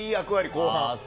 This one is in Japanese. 後半。